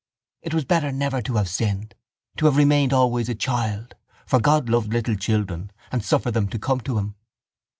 It was better never to have sinned, to have remained always a child, for God loved little children and suffered them to come to Him.